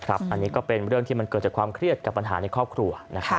อันนี้ก็เป็นเรื่องที่มันเกิดจากความเครียดกับปัญหาในครอบครัว